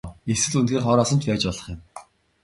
Эсвэл үнэхээр хороосон ч байж болох юм.